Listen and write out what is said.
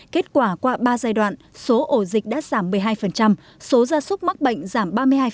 kết quả qua ba giai đoạn số ổ dịch đã giảm một mươi hai số gia súc mắc bệnh giảm ba mươi hai